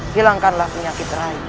hilangkanlah penyakit rahim